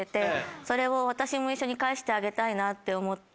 それを私も一緒に返してあげたいなって思って。